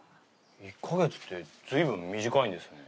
１カ月って随分短いんですね。